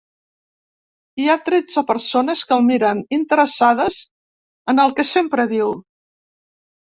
Hi ha tretze persones que el miren, interessades en el que sempre diu.